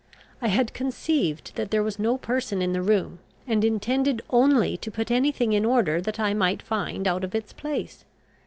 I had conceived that there was no person in the room, and intended only to put any thing in order that I might find out of its place.